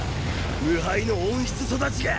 無敗の温室育ちが！